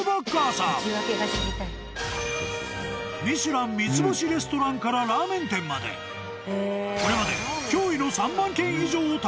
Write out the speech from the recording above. ［『ミシュラン』三つ星レストランからラーメン店までこれまで驚異の］